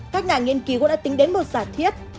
các nhà nghiên cứu cũng đã tính đến một giả thiết